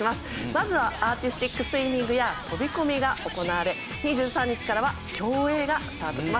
まずはアーティスティックスイミングや飛込が行われ２３日からは競泳がスタートします。